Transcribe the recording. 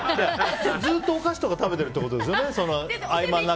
ずっとお菓子とか食べてるってことですよね。